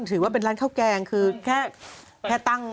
ถือว่าเป็นร้านข้าวแกง